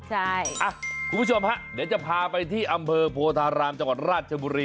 คุณผู้ชมฮะเดี๋ยวจะพาไปที่อำเภอโพธารามจังหวัดราชบุรี